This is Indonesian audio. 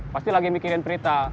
pasti lagi mikirin prita